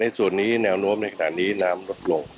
ส่วนนี้แนวโน้มในขณะนี้น้ำลดลง